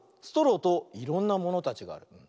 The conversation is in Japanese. ストローといろんなものたちがある。